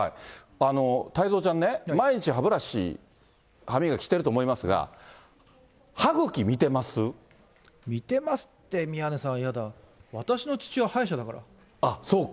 太蔵ちゃんね、毎日歯ブラシ、歯磨きしてると思いますが、歯ぐ見てますって、宮根さん、嫌あっ、そうか。